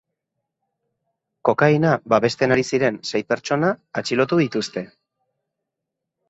Kokaina babesten ari ziren sei pertsona atxilotu dituzte.